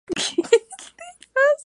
Tiene hojas grises-azuladas.